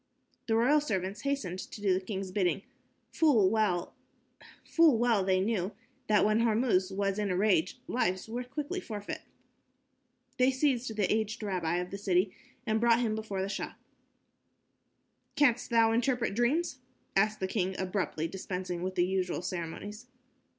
The royal servants hastened to do the king's bidding. Full well they knew that when Hormuz was in a rage, lives were quickly forfeit. They seized the aged rabbi of the city and brought him before the Shah. "Canst thou interpret dreams?" asked the king, abruptly, dispensing with the usual ceremonies.